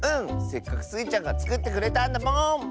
せっかくスイちゃんがつくってくれたんだもん！